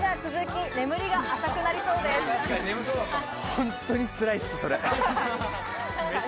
本当につらいっす、それ。